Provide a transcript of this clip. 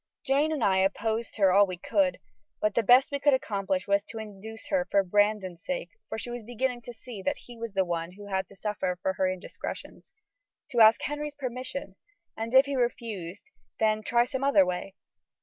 Jane and I opposed her all we could, but the best we could accomplish was to induce her for Brandon's sake for she was beginning to see that he was the one who had to suffer for her indiscretions to ask Henry's permission, and if he refused, then try some other way.